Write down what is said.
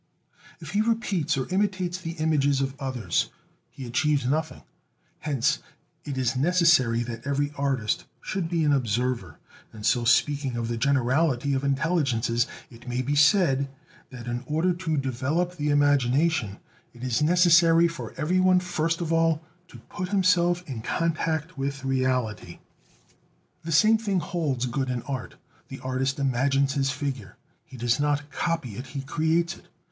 If he repeats or imitates the images of others, he achieves nothing. Hence it is necessary that every artist should be an observer; and so, speaking of the generality of intelligences, it may be said that in order to develop the imagination it is necessary for every one first of all to put himself in contact with reality. The same thing holds good in art. The artist "imagines" his figure; he does not copy it, he "creates" it.